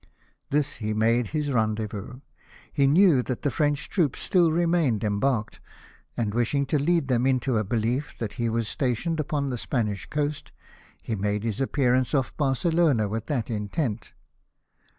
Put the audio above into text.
This he made his rendezvous ; he knew that the French troops still remained embarked, and wishing to lead them into a behef that he was stationed upon the Spanish coast, he made his ap pearance off Barcelona with that intent.